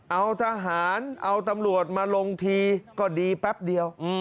เอาทหารเอาตำรวจมาลงทีก็ดีแป๊บเดียว